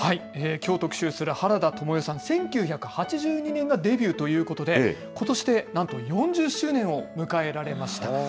きょう、特集する原田知世さん、１９８２年がデビューということで、ことしでなんと４０周年を迎えられました。